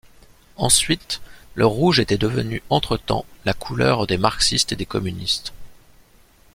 Ensuite, le rouge était devenu entre-temps la couleur des marxistes et des communistes.